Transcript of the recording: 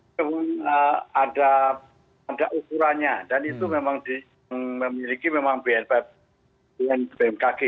ya itu memang ada ukurannya dan itu memang memiliki bnpkg